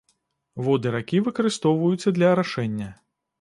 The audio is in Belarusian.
Воды ракі выкарыстоўваюцца для арашэння.